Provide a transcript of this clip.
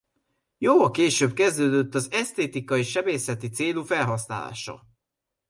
Jóval később kezdődött az esztétikai sebészeti célú felhasználása.